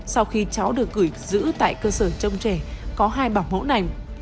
sau khi cháu được gửi giữ tại cơ sở trông trẻ có hai bảo mẫu này